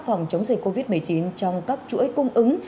phòng chống dịch covid một mươi chín trong các chuỗi cung ứng